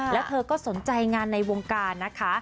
แล้วเธอก็สนใจงานในวงการนะคะ